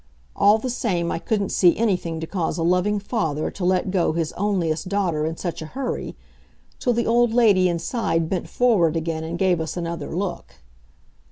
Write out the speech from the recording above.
All the same, I couldn't see anything to cause a loving father to let go his onliest daughter in such a hurry, till the old lady inside bent forward again and gave us another look.